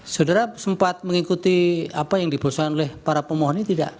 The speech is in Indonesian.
saudara sempat mengikuti apa yang diperbolesaikan oleh para pemohon ini tidak